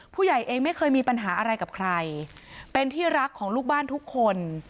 ผู้ใหญ่เองไม่เคยมีปัญหาอะไรกับใครเป็นที่รักของลูกบ้านทุกคน